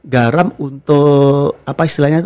garam untuk apa istilahnya